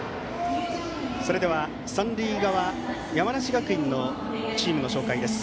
それでは三塁側山梨学院のチームの紹介です。